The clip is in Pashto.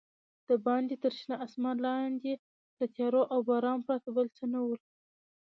دباندې تر شنه اسمان لاندې له تیارې او بارانه پرته بل څه نه ول.